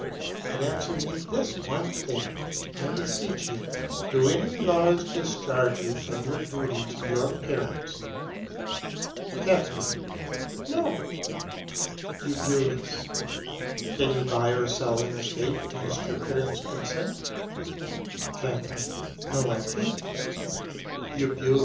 But answer me this one Thing, I beseech you, do any Laws discharge you from your Duty to your Parents? Ca. No. Eu. Can you buy or sell an Estate against your Parents Consent? Ca. No, I can't. Eu.